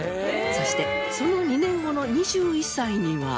そしてその２年後の２１歳には。